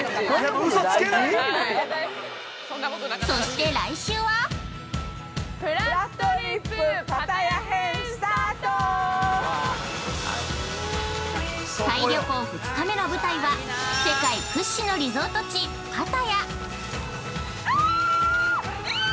そして来週は◆タイ旅行２日目の舞台は世界屈指のリゾート地パタヤ。